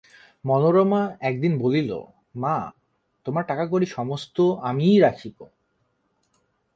মনোরমা একদিন বলিল, মা, তোমার টাকাকড়ি সমস্ত আমিই রাখিব।